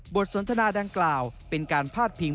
สนทนาดังกล่าวเป็นการพาดพิง